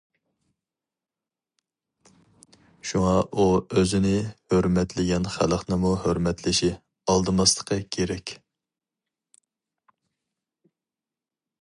شۇڭا ئۇ ئۆزىنى ھۆرمەتلىگەن خەلقنىمۇ ھۆرمەتلىشى، ئالدىماسلىقى كېرەك.